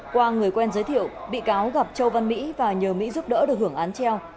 qua người quen giới thiệu bị cáo gặp châu văn mỹ và nhờ mỹ giúp đỡ được hưởng án treo